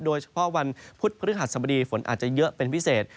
โดยเฉพาะวันพุธพฤหัสบดีฝนอาจจะเยอะเป็นพิเศษ